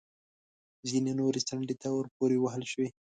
ځینې نورې څنډې ته پورې وهل شوې